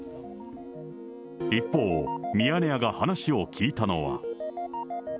一方、ミヤネ屋が話を聞いたのは。